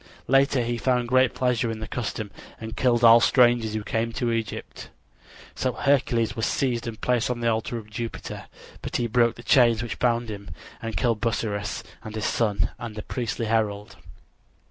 Later he found great pleasure in the custom and killed all strangers who came to Egypt. So Hercules was seized and placed on the altar of Jupiter. But he broke the chains which bound him, and killed Busiris and his son and the priestly herald.